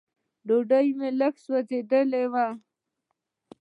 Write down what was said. ډوډۍ مې لږ سوځېدلې وه.